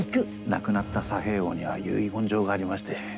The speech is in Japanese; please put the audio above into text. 亡くなった佐兵衛翁には遺言状がありまして。